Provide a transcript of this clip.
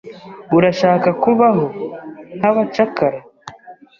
Urashaka kubaho nkabacakara?